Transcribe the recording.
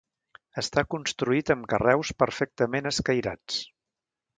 Està construït amb carreus perfectament escairats.